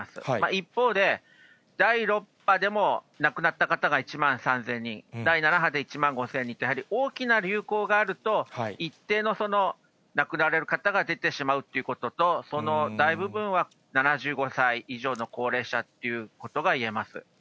一方で、第６波でも亡くなった方が１万３０００人、第７波で１万５０００人と、やはり大きな流行があると、一定の亡くなられる方が出てしまうっていうことと、その大部分は７５歳以上の高齢者っていうことがいえます。